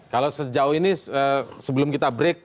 kalau sejauh ini sebelum kita break